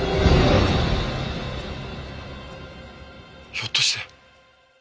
ひょっとして！